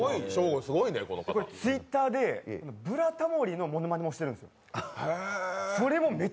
Ｔｗｉｔｔｅｒで「ブラタモリ」のものまねもしてるんです。